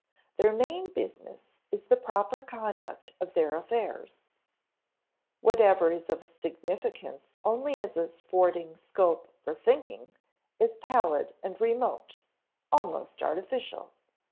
Their main business is the proper conduct of their affairs. Whatever is of significance only as affording scope for thinking is pallid and remote almost artificial.